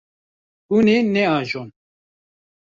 Hûn ê neajon.